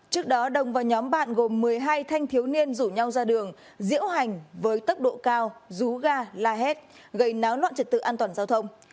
trước đó đồng và nhóm bạn gồm một mươi hai thanh thiếu niên rủ nhau ra đường diễu hành với tốc độ cao rú ga la hét gây náo loạn trật tự an toàn giao thông